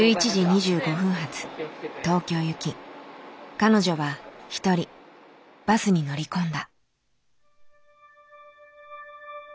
彼女は一人バスに乗り込んだ。